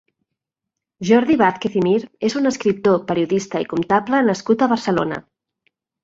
Jordi Vàzquez i Mir és un escriptor, periodista i comptable nascut a Barcelona.